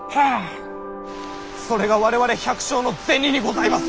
それが我々百姓の銭にございます！